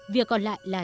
việc còn lại là